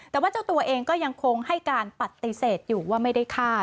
แต่ว่าเจ้าตัวเองก็ยังคงให้การปฏิเสธอยู่ว่าไม่ได้ฆ่า